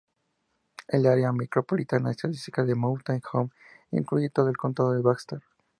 El Área Micropolitana Estadística de Mountain Home incluye todo el condado de Baxter.